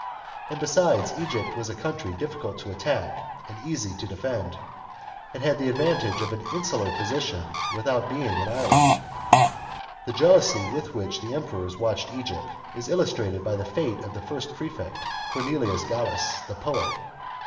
And besides Egypt was a country difficult to attack and easy to defend; it had the advantage of an insular position without being an island. The jealousy with which the Emperors watched Egypt, is illus trated by the fate of the first prefect, Cornelius Gallus, the poet.